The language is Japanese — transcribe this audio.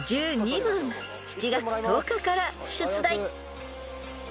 ［７月１０日から出題］